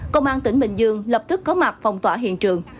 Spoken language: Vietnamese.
công an tỉnh bình dương lập tức có mặt phong tỏa hiện trường